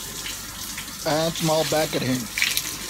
Anne smiled back at him.